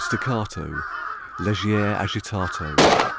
Staccato! Leggier agitato!